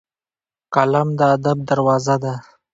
قلم د ادب دروازه ده